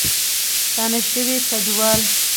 ستانه شوي کډوال